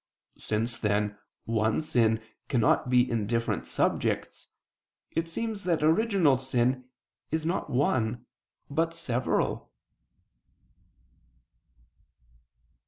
Since then one sin cannot be in different subjects, it seems that original sin is not one but several.